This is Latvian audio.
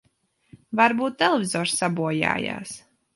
Varbūt televizors sabojājās.